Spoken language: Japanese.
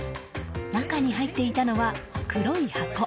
中に入っていたのは黒い箱。